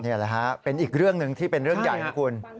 เห็นไหมคะเป็นอีกเรื่องหนึ่งที่เป็นเรื่องใหญ่ของคุณ